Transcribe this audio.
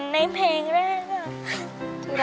ในเพลงแรกค่ะ